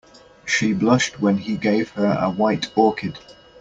She blushed when he gave her a white orchid.